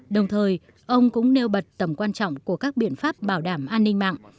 đồng thời ông cũng nêu bật tầm quan trọng của các biện pháp bảo đảm an ninh mạng